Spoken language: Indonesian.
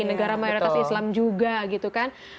negara mayoritas islam juga gitu kan